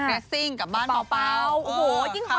เรซิ่งกับบ้านป่าวป่าว